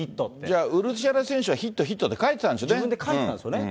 じゃあ、ウルシェラ選手は自分で、ヒットヒットって書いてた自分で書いてたんですよね。